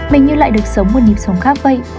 mình như lại được sống một nhịp sống khác vậy